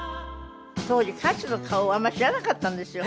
当時歌手の顔をあんま知らなかったんですよ。